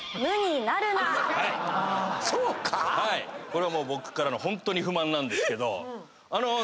これは僕からのホントに不満なんですけど。